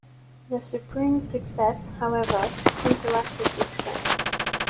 The Supremes' success, however, counteracted this trend.